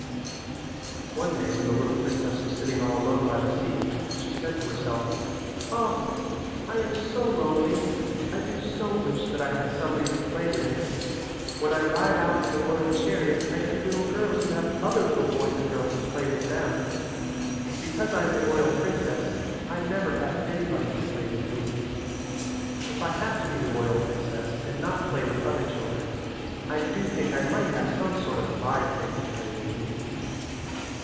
One day when the little princess was sitting all alone by the sea she said to herself, "O! I am so lonely. I do so wish that I had somebody to play with. When I ride out in the royal chariot I see little girls who have other little boys and girls to play with them. Because I am the royal princess I never have anybody to play with me. If I have to be the royal princess and not play with other children I do think I might have some sort of live thing to play with me."